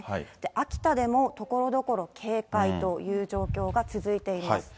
秋田でもところどころ警戒という状況が続いています。